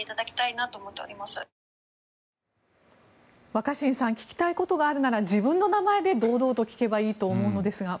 若新さん聞きたいことがあるなら自分の名前で堂々と聞けばいいと思うのですが。